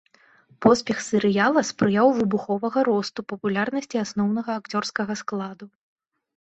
Поспех серыяла спрыяў выбуховага росту папулярнасці асноўнага акцёрскага складу.